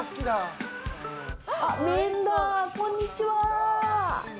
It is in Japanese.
麺だ、こんにちは。